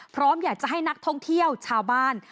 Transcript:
พร้อมอยากจะให้นักท่องเที่ยวชาวบ้าน